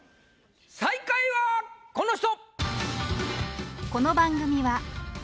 最下位はこの人！